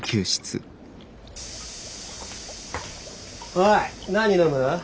おい何飲む？